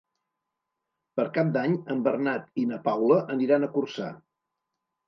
Per Cap d'Any en Bernat i na Paula aniran a Corçà.